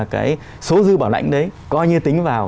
cái số dư bảo lãnh đấy coi như tính vào